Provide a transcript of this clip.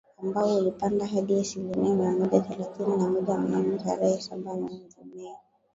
ambao ulipanda hadi asilimia mia moja thelathini na moja mnamo tarehe saba mwezi Mei